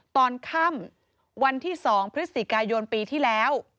ตอนค่ำวันที่๒พฤศจิกายนปีที่แล้ว